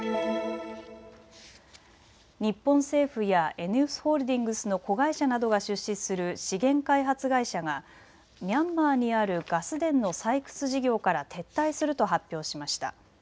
日本政府やＥＮＥＯＳホールディングスの子会社などが出資する資源開発会社がミャンマーにあるガス田の採掘事業から撤退すると発表しました。